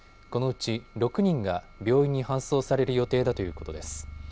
このうち６人が病院に搬送される予定だということです。